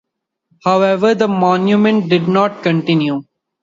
However, the momentum did not continue.